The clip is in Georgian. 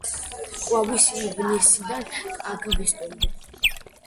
ყვავის ივნისიდან აგვისტომდე.